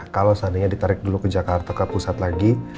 kalau seandainya ditarik dulu ke jakarta ke pusat lagi